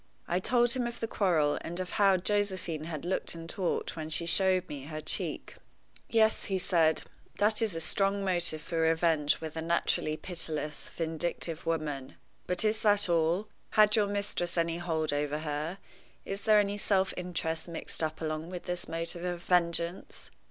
I told him of the quarrel, and of how Josephine had looked and talked when she showed me her cheek. "Yes," he said, "that is a strong motive for revenge with a naturally pitiless, vindictive woman. But is that all? Had your mistress any hold over her? Is there any self interest mixed up along with this motive of vengeance?